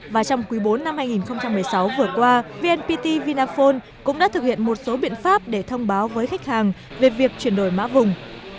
và trong quý bốn năm hai nghìn một mươi sáu vừa qua vnpt vinaphone cũng đã thực hiện một số biện pháp để thông báo với khách hàng về việc chuyển đổi mã vùng